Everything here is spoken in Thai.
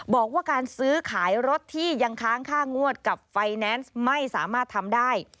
บอกว่าการซื้อขายรถที่ยังค้างค่างวดกับไฟแนนซ์ไม่สามารถทำได้